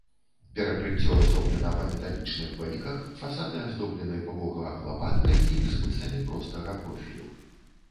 Перакрыццё зроблена па металічных бэльках, фасады аздоблены па вуглах лапаткамі і гзымсамі простага профілю.